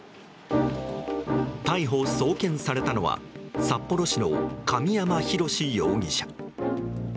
逮捕・送検されたのは札幌市の神山大容疑者。